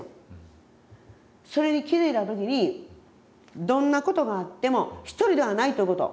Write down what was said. それに気付いた時にどんなことがあっても一人ではないということ。